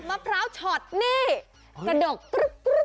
มะพร้าวชอดนี่กระดกกรึ๊บเลย